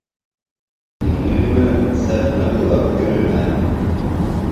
Иң мөһиме: сәхнә буйлап йөрөмә!